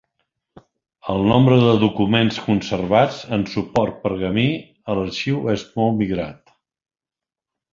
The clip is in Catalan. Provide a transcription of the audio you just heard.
El nombre de documents conservats en suport pergamí a l'arxiu és molt migrat.